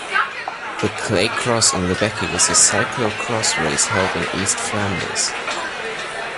The Clay Cross in Lebbeke is a cyclo-cross race held in East Flanders.